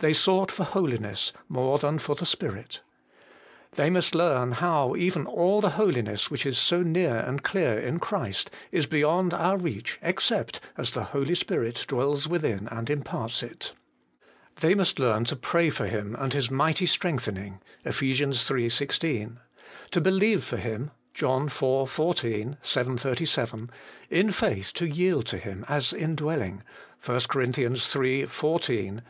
They sought for holiness more than for the Spirit. They must learn how even all the holiness which is so near and clear in Christ, is beyond our reach, except as the Holy Spirit dwells within and imparts it. They must learn to pray for Him and His mighty strengthening (Eph. iii. 16), to believe for Him (John iv. 14, vii. 37), in faith to yield to Him as indwelling (1 Cor. iii. 14, vi.